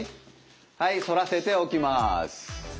はい反らせて起きます。